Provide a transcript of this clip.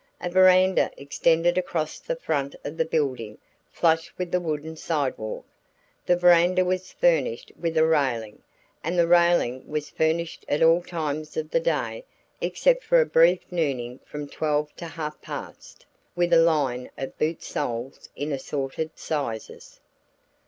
A veranda extended across the front of the building flush with the wooden side walk. The veranda was furnished with a railing, and the railing was furnished at all times of the day except for a brief nooning from twelve to half past with a line of boot soles in assorted sizes.